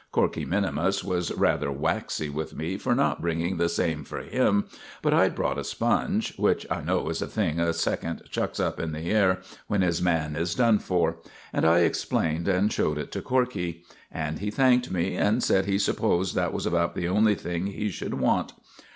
Corkey minimus was rather waxy with me for not bringing the same for him; but I'd brought a sponge, which I know is a thing a second chucks up in the air when his man is done for; and I explained and showed it to Corkey; and he thanked me and said he supposed that was about the only thing he should want.